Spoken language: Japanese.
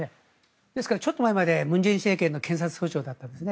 ですから、ちょっと前まで文政権の検事総長だったんですね。